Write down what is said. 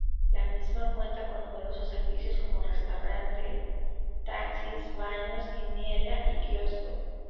La misma cuenta con numerosos servicios como restaurante, taxis, baños, quiniela y kiosco.